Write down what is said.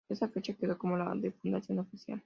Esta fecha quedó como la de fundación oficial.